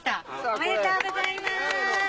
おめでとうございます！